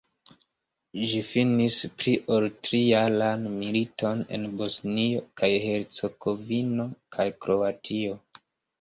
Ĝi finis pli-ol-tri-jaran militon en Bosnio kaj Hercegovino kaj Kroatio.